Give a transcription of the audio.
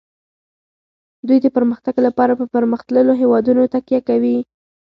دوی د پرمختګ لپاره په پرمختللو هیوادونو تکیه کوي